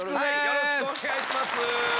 よろしくお願いします。